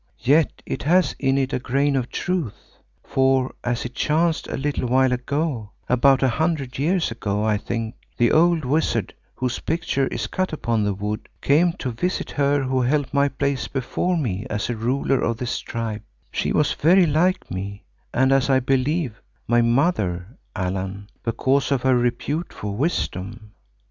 Yet it has in it a grain of truth, for as it chanced a little while ago, about a hundred years ago, I think, the old wizard whose picture is cut upon the wood, came to visit her who held my place before me as ruler of this tribe—she was very like me and as I believe, my mother, Allan—because of her repute for wisdom.